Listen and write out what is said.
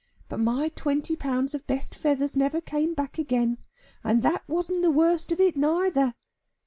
But my twenty pounds of best feathers never came back again, and that wasn't the worst of it neither."